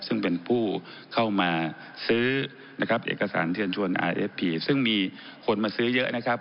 ซึ่งเป็นผู้เข้ามาซื้อนะครับเอกสารเชิญชวนอายเอฟพีซึ่งมีคนมาซื้อเยอะนะครับ